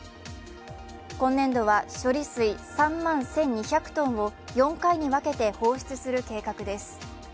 今年度は処理水３万１２００ｔを４回に分けて放出する計画です。